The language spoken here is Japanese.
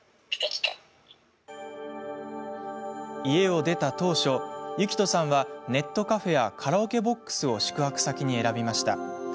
家を出た当初ユキトさんはネットカフェやカラオケボックスを宿泊先に選びました。